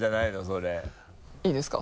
それいいですか？